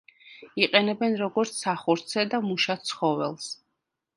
იყენებენ როგორც სახორცე და მუშა ცხოველს.